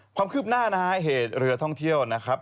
ความคืบหน้านะฮะเหตุเรือท่องเที่ยวนะครับ